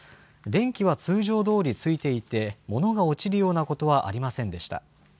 電気は通常どおりついていて、物が落ちるようなことはありませんでした。